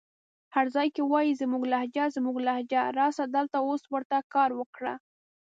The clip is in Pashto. هر ځای کې وايې زموږ لهجه زموږ لهجه راسه دلته اوس ورته کار وکړه